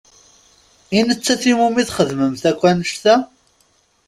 I nettat i wumi txedmemt akk annect-a?